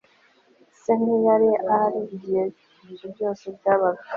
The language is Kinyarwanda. se ntiyari ahari igihe ibyo byose byabaga